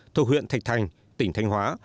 thuộc huyện thạch thành tỉnh thanh hóa